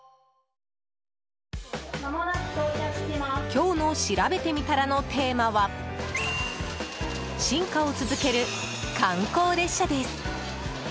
今日のしらべてみたらのテーマは進化を続ける観光列車です。